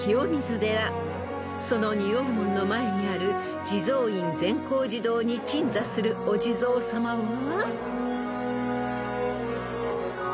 ［その仁王門の前にある地蔵院善光寺堂に鎮座するお地蔵さまは］